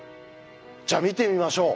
じゃあ見てみましょう。